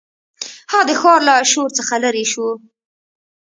هغه د ښار له شور څخه لیرې شو.